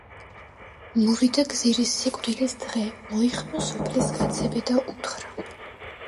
მოვიდა გზირის სიკვდილის დღე. მოიხმო სოფლის კაცები და უთხრა